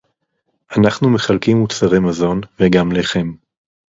אנחנו מחלקים מוצרי מזון וגם לחם